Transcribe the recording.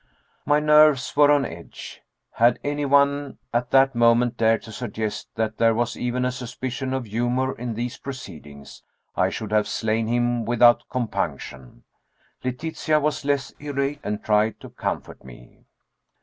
My nerves were on edge. Had any one at that moment dared to suggest that there was even a suspicion of humor in these proceedings I should have slain him without compunction. Letitia was less irate and tried to comfort me.